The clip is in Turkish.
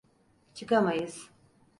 Çıkamayız.